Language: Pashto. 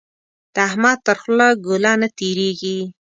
د احمد تر خوله ګوله نه تېرېږي.